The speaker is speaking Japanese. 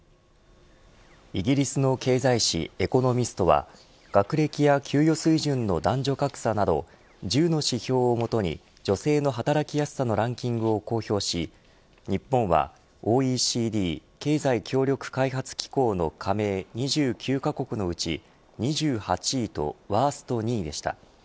イギリスの経済誌エコノミストは学歴や給与水準の男女格差など１０の指標を元に女性の働きやすさのランキングを公表し日本はＯＥＣＤ経済協力開発機構の加盟２９カ国のうち２８位とワースト２位でした。